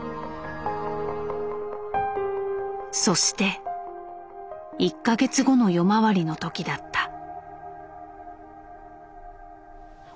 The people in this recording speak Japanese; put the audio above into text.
そして１か月後の夜回りの時だった。